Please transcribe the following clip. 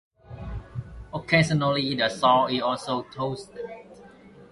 Occasionally the salt is also toasted.